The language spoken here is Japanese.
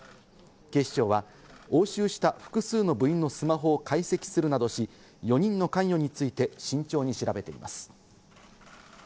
警視庁は押収した複数の部員のスマホを解析するなどし、４人の関与について、慎重に調べています。